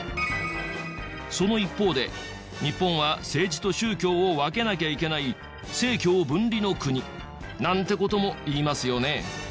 その一方で日本は政治と宗教を分けなきゃいけない政教分離の国なんて事もいいますよね。